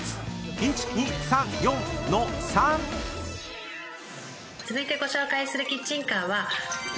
［１２３４の３］続いてご紹介するキッチンカーは。